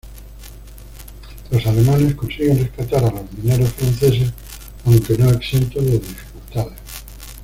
Los alemanes consiguen rescatar a los mineros franceses, aunque no exentos de dificultades.